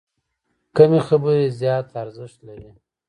کمې خبرې، زیات ارزښت لري.